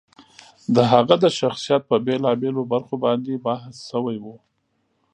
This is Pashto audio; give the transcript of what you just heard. د هغه د شخصیت په بېلا بېلو برخو باندې بحث شوی و.